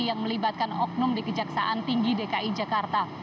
yang melibatkan oknum di kejaksaan tinggi dki jakarta